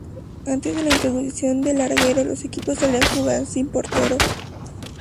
Antes de la introducción del larguero, los equipos solían jugar sin portero.